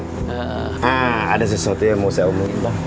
nah ada sesuatu yang mau saya omongin